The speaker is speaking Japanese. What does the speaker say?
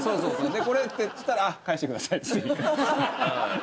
でこれってしたら返してくださいって。